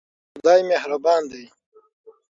خدای مهربان دی.